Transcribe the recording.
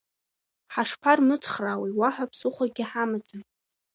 Ҳашԥармыцхраауеи, уаҳа ԥсыхәагьы ҳамаӡам.